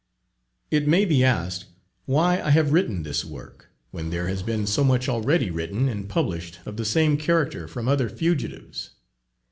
It may be asked why I have written this work, when there has been so much already written and published of the same character from other fugitives?